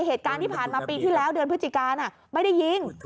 เหตุการณ์ที่ผ่านมาปีที่แล้วเดือนพฤศจิกาไม่ได้ยิง